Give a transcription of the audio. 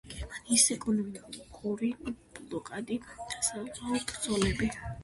გერმანიის ეკონომიკური ბლოკადი და საზღვაო ბრძოლები.